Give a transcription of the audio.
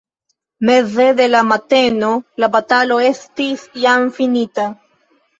Meze de la mateno, la batalo estis jam finita.